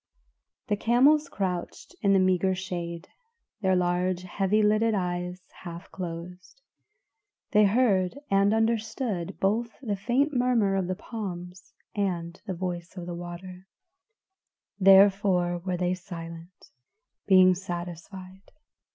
The camels crouched in the meagre shade, their large, heavy lidded eyes half closed; they heard and understood both the faint murmur of the palms and the voice of the water; therefore were they silent, being satisfied.